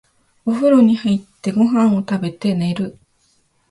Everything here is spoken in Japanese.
お風呂に入って、ご飯を食べて、寝る。